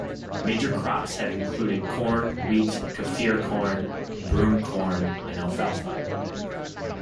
Major crops have included corn, wheat, Kaffir corn, broomcorn and alfalfa.